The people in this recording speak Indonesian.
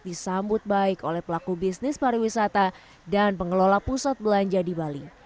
ini juga terjadi dengan kebaikan dari pelaku bisnis pariwisata dan pengelola pusat belanja di bali